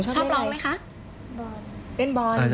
ชอบร้องไหมคะ